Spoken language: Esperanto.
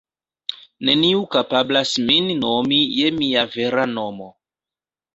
Neniu kapablas min nomi je mia vera nomo.